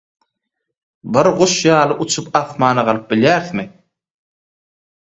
Bir guş ýaly uçup asmana galyp bilýärismi?